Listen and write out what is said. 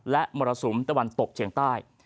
และมรสุมตะวันตกเฉียงใต้